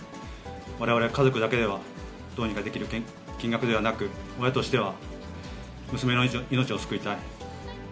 われわれ家族だけでは、どうにかできる金額ではなく、親としては娘の命を救いたい。